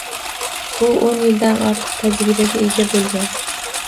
Uo‘n yildan ortiq tajribaga ega boʻlgan.